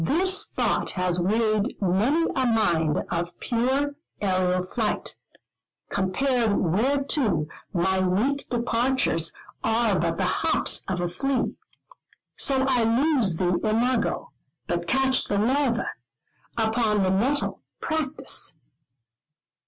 This thought has wearied many a mind of pure aerial flight, compared whereto my weak departures are but the hops of a flea; so I lose the imago, but catch the larva, upon the nettle, practice.